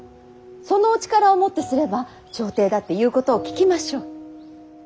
そのお力をもってすれば朝廷だって言うことを聞きましょう。